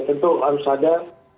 tentu harus ada